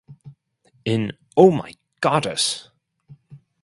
In Oh My Goddess!